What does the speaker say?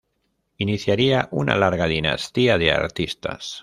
Iniciaría una larga dinastía de artistas.